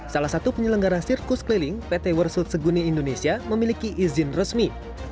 salah satu penyelenggara sirkus keliling pt worsuit seguni indonesia memiliki izin resmi